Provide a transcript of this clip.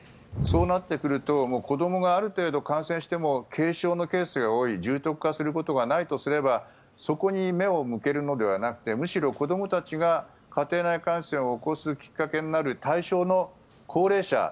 そうなってくると子どもがある程度、感染しても軽症のケースが多い重篤化することがないとすればそこに目を向けるのではなくてむしろ、子どもたちが家庭内感染を起こすきっかけになる対象の高齢者。